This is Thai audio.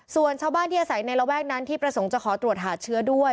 ส่วนชาวบ้านที่อาศัยในระแวกนั้นที่ประสงค์จะขอตรวจหาเชื้อด้วย